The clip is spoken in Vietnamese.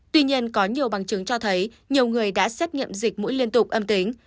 tuy nhiên có nhiều bằng chứng cho thấy nhiều người đã xét nghiệm dịch mũi liên tục âm tính